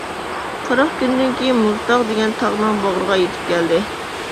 قىرىق كۈندىن كىيىن مۇزتاغ دېگەن تاغنىڭ باغرىغا يىتىپ كەلدى.